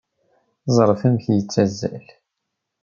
Ẓret amek yettazzal!